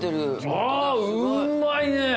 あうまいね！